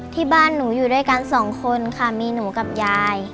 ที่บ้านหนูอยู่ด้วยกันสองคนค่ะมีหนูกับยาย